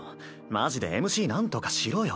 マジでＭＣなんとかしろよ。